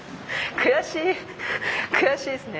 悔しいですね。